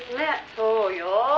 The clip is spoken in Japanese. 「そうよ」